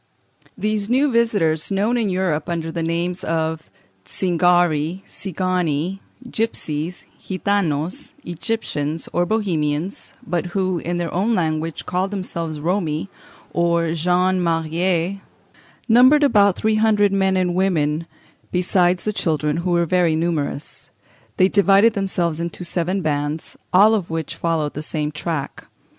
These new visitors, known in Europe under the names of Zingari, Cigani, Gipsies, Gitanos, Egyptians, or Bohemians, but who, in their own language, called themselves Romi, or gens mariés, numbered about three hundred men and women, besides the children, who were very numerous. They divided themselves into seven bands, all of which followed the same track.